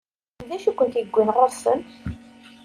D acu i kent-iwwin ɣur-sen?